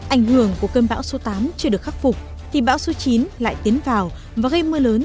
ảnh hưởng của cơn bão số tám chưa được khắc phục thì bão số chín lại tiến vào và gây mưa lớn